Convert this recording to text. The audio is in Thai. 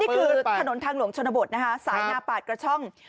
ถนนทางหลวงชนบทนะคะสายนาปาดกระช่อง